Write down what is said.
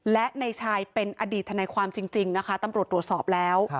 และในชายเป็นอดีตทนายความจริงนะคะตำรวจตรวจสอบแล้ว